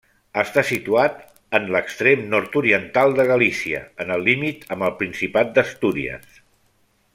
Està situat en l'extrem nord-oriental de Galícia, en el límit amb el Principat d'Astúries.